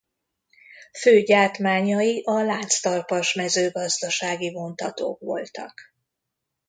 Fő gyártmányai a lánctalpas mezőgazdasági vontatók voltak.